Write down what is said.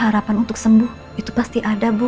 harapan untuk sembuh itu pasti ada bu